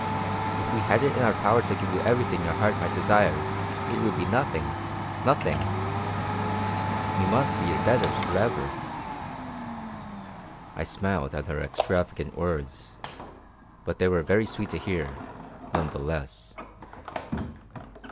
If we had it in our power to give you everything your heart might desire it would be nothing, nothing. We must be your debtors for ever." I smiled at her extravagant words, but they were very sweet to hear, none the less.